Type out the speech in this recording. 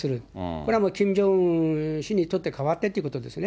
これはもうキム・ジョンウン氏にとって代わってということですね。